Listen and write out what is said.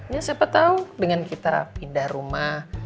ya siapa tahu dengan kita pindah rumah